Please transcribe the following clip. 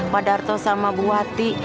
pak darto sama bu hati